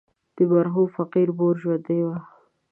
د مرحوم فقير مور ژوندۍ وه.